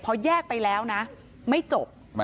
พอแยกไปแล้วนะไม่จบ